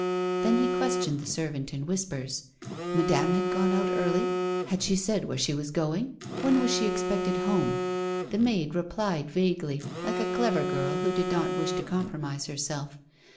Tlien he questioned the servant in Avhispers. Ma dame had gone out early ? Ilad she said where she was going? When was she expected home? The maid replied vaguely, like a clever girl who did not wish to compromise herself.